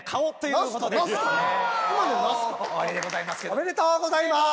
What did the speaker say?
おめでとうございます！